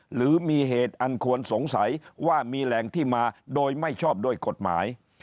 หรือมีเหตุอันควรสงสัยว่ามีแหล่งที่มาโดยไม่ชอบโดยกฎหมาย